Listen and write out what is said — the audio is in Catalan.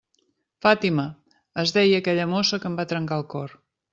Fàtima, es deia aquella mossa que em va trencar el cor.